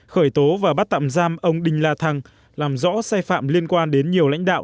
khởi tố và bắt tạm giam ông đinh la thăng làm rõ sai phạm liên quan đến nhiều lãnh đạo